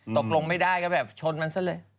ตกลงไม่ได้ก็แบบชนมันซะเลย